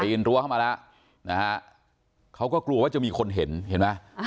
อินรั้วเข้ามาแล้วนะฮะเขาก็กลัวว่าจะมีคนเห็นเห็นไหม